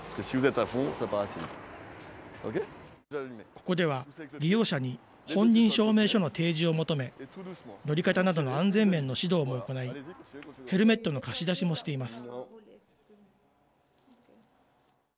ここでは、利用者に本人証明書の提示を求め、乗り方などの安全面の指導も行い、ヘルメットの貸し出しもしています。